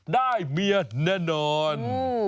ได้เมียแน่นอน